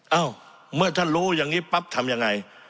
เอ้าเมื่อท่านรู้อย่างนี้ปั๊บทำยังไง